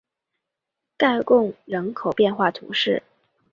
盖贡人口变化图示